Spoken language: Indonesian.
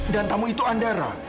dan tamu itu andara